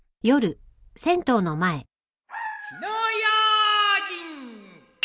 火の用心！